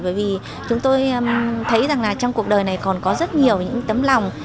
bởi vì chúng tôi thấy rằng trong cuộc đời này còn có rất nhiều tấm lòng